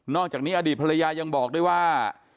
อกจากนี้อดีตภรรยายังบอกด้วยว่า